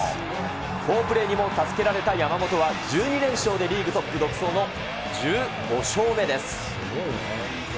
好プレーにも助けられた山本は、１２連勝でリーグトップの独走の１５勝目です。